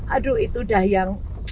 aduh itu dah yang